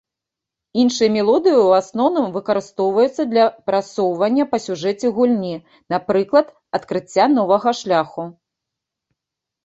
Іншыя мелодыі ў асноўным выкарыстоўваюцца для прасоўвання па сюжэце гульні, напрыклад, адкрыцця новага шляху.